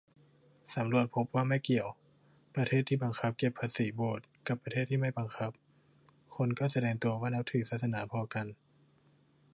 สำรวจพบว่าไม่เกี่ยว ประเทศที่บังคับเก็บภาษีโบสถ์กับประเทศที่ไม่บังคับ คนก็แสดงตัวว่านับถือศาสนาพอกัน